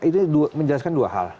itu menjelaskan dua hal